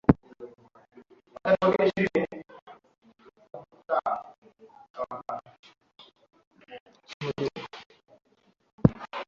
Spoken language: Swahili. ya msimamo ulio wazi wa jeshi Hapo hapo